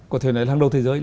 có thể nói là hàng đầu thế giới